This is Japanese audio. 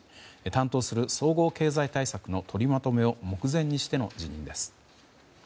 担当する総合経済対策の取りまとめを目前にしての辞任です。